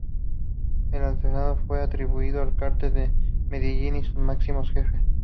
El atentado fue atribuido al Cartel de Medellín y a sus máximos jefes.